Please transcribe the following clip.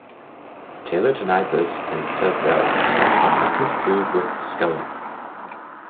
Taylor denied this and said that the song had nothing to do with Skellern.